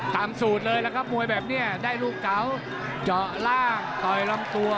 สูตรเลยล่ะครับมวยแบบนี้ได้ลูกเก๋าเจาะล่างต่อยลำตัว